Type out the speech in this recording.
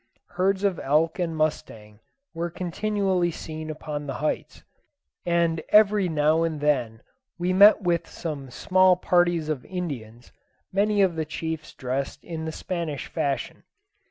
Herds of elk and mustangs were continually seen upon the heights, and every now and then we met with some small parties of Indians, many of the chiefs dressed in the Spanish fashion.